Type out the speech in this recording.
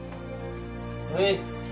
はい